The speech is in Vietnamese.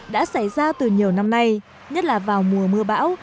đã xảy ra từ nhiều năm nay nhất là vào mùa mưa bão